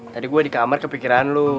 tadi gue di kamar kepikiran lu